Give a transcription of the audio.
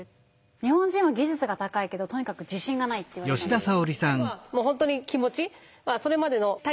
日本人は技術が高いけどとにかく自信がないって言われたんですよ。